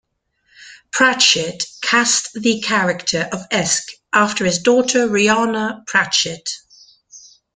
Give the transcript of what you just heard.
Pratchett cast the character of Esk after his daughter Rhianna Pratchett.